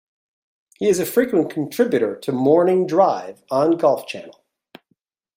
He is a frequent contributor to "Morning Drive" on Golf Channel.